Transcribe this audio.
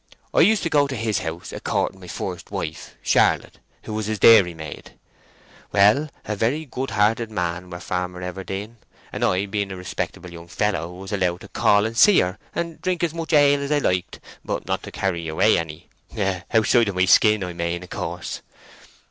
"I used to go to his house a courting my first wife, Charlotte, who was his dairymaid. Well, a very good hearted man were Farmer Everdene, and I being a respectable young fellow was allowed to call and see her and drink as much ale as I liked, but not to carry away any—outside my skin I mane of course."